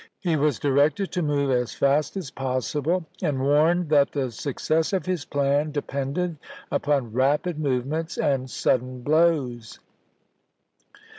He was directed to move as fast as possible, and warned that the success of his plan depended upon rapid movements and sudden blows.